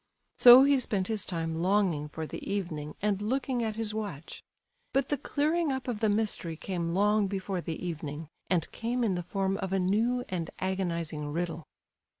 So he spent his time longing for the evening and looking at his watch. But the clearing up of the mystery came long before the evening, and came in the form of a new and agonizing riddle.